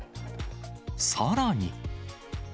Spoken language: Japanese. さらに。